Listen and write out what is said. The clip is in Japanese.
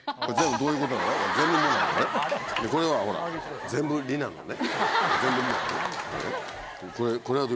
そういうことなのね。